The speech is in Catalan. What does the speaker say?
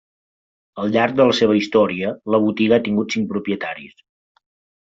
Al llarg de la seva història, la botiga ha tingut cinc propietaris.